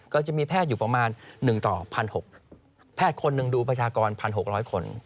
จะมีแพทย์อยู่ประมาณ๑ต่อ๑๖๐๐แพทย์คนหนึ่งดูประชากร๑๖๐๐คน